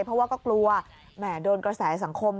เพราะว่าก็กลัวแหม่โดนกระแสสังคม